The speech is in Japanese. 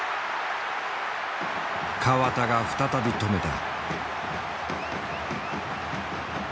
河田が再び止めた。